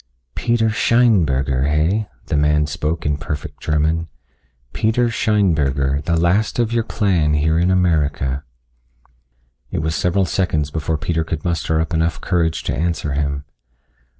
"Peter Scheinberger, heh?" the man spoke in perfect German. "Peter Scheinberger, the last of your clan here in America." It was several seconds before Peter could muster up enough courage to answer him.